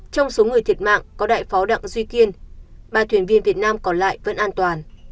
trong số người thiệt mạng có đại phó đặng duy kiên ba thuyền viên việt nam còn lại vẫn an toàn